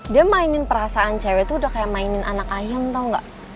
dia mainin perasaan cewek tuh udah kayak mainin anak ayam tau nggak